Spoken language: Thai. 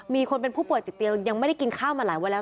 มีคนเป็นผู้ป่วยติดเตียงยังไม่ได้กินข้าวมาหลายวันแล้ว